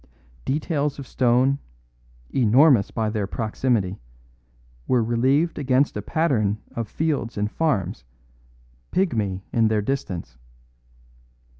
Details of stone, enormous by their proximity, were relieved against a pattern of fields and farms, pygmy in their distance.